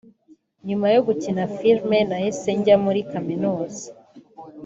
nyuma yo gukina filime nahise njya muri kaminuza